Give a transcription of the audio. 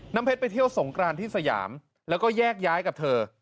เพชรไปเที่ยวสงกรานที่สยามแล้วก็แยกย้ายกับเธอ